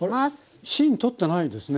芯取ってないですね？